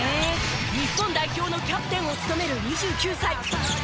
日本代表のキャプテンを務める２９歳